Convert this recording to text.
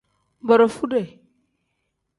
Borofude.